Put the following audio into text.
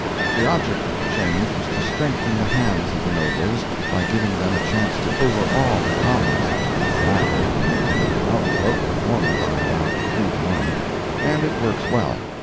The object of the change was to strengthen the hands of the Nobles by giving them a chance to overawe the Commons (the latter being able to outvote the former by about three to one), and it works well.